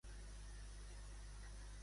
Quina altre fet se li ha reconegut?